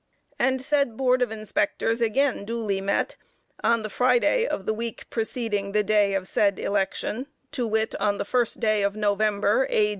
And said Board of Inspectors again duly met on the Friday of the week preceding the day of said election, to wit, on the first day of November, A.